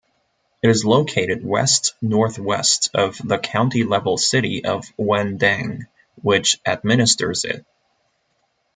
It is located west-northwest of the county-level city of Wendeng, which administers it.